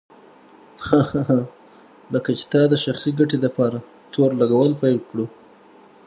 هه هه هه لکه چې تا د شخصي ګټې دپاره تور لګول پيل کړه.